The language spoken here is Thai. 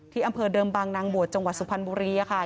อำเภอเดิมบางนางบวชจังหวัดสุพรรณบุรีค่ะ